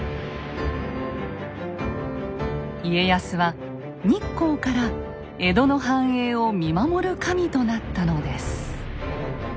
家康は日光から江戸の繁栄を見守る神となったのです。